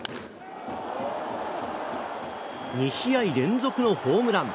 ２試合連続のホームラン。